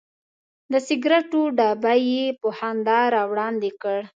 د سګرټو ډبی یې په خندا راوړاندې کړ.